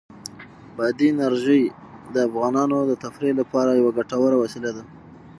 بادي انرژي د افغانانو د تفریح لپاره یوه ګټوره وسیله ده.